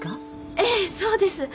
ええそうです。